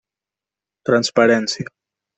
Transparència.